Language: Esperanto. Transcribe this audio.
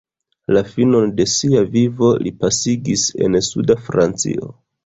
La finon de sia vivo li pasigis en suda Francio.